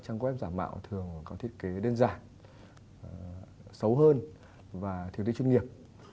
trang web truyền thống thường có thiết kế đơn giản xấu hơn và thiết kế chuyên nghiệp